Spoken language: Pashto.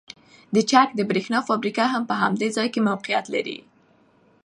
د چک د بریښنا فابریکه هم په همدې ځای کې موقیعت لري